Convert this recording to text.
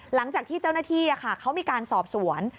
หลังจากที่เจ้าหน้าที่เขามีการสอบสวน